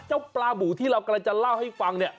เจ้าปลาบูที่เรากำลังจะเล่าให้ฟัง